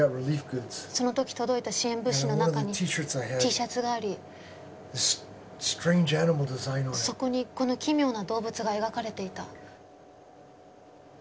「その時届いた支援物資の中にＴシャツがありそこにこの奇妙な動物が描かれていた」。